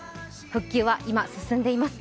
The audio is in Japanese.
復旧は今、進んでいます。